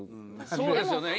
そうですよね。